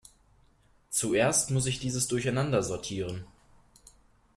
Zuerst muss ich dieses Durcheinander sortieren.